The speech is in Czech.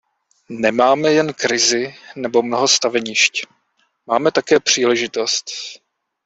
Nemáme jen krizi nebo mnoho stavenišť, máme také příležitost.